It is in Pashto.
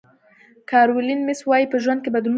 کارولین میس وایي په ژوند کې بدلون راځي.